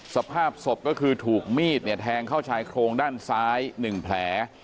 สภาพศพก็คือถูกมีดเนี่ยแทงเข้าชายโครงด้านซ้าย๑แผล